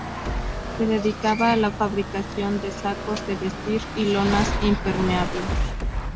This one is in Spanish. Se dedicaba a la fabricación de sacos de vestir y lonas impermeables.